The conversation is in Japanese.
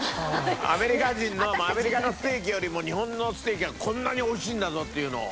アメリカ人のアメリカのステーキよりも日本のステーキはこんなに美味しいんだぞっていうのを。